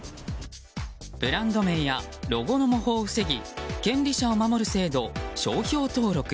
ブランド名やロゴの模倣を防ぎ権利者を守る制度、商標登録。